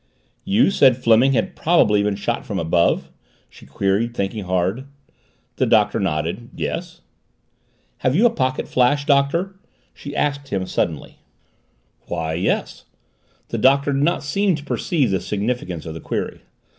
"You said Fleming had probably been shot from above?" she queried, thinking hard. The Doctor nodded. "Yes." "Have you a pocket flash, Doctor?" she asked him suddenly. "Why yes " The Doctor did not seem to perceive the significance of the query.